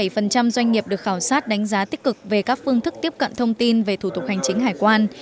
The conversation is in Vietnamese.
tuy nhiên vẫn có không ít doanh nghiệp được khảo sát đánh giá tích cực về các phương thức tiếp cận thông tin về thủ tục hành chính hải quan